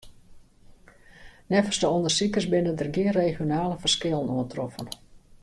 Neffens de ûndersikers binne der gjin regionale ferskillen oantroffen.